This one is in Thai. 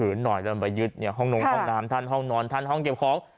เรื่องมันไปยึดห้องนมห้องนำห้องนอนเง็บของ